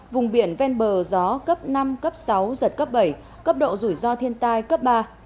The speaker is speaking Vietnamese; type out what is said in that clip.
vùng biển ven bờ gió cấp năm cấp sáu giật cấp bảy cấp độ rủi ro thiên tai cấp ba